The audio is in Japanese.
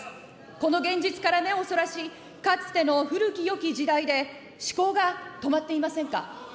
この現実から目をそらし、かつての古きよき時代で、思考が止まっていませんか。